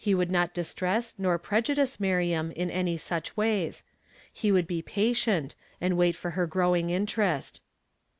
181 would not distress nor pre^ ulice Miriam in any such 'v;iys; he would he ;»< a, and wait for ner growing interest.